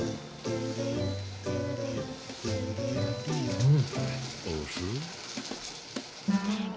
うん。